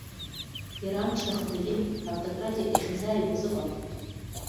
Иара амчра ахаҭагьы автократиа иахьазааигәаз ыҟан.